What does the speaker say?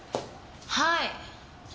はい。